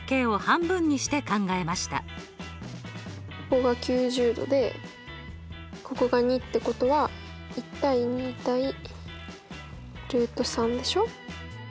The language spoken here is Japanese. ここが９０°でここが２ってことは１対２対でしょ。